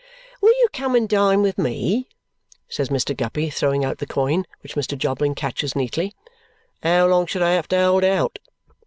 "Will you come and dine with me?" says Mr. Guppy, throwing out the coin, which Mr. Jobling catches neatly. "How long should I have to hold out?"